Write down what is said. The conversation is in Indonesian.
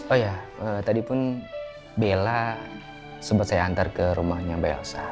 oh ya tadi pun bella sempat saya antar ke rumahnya mbak elsa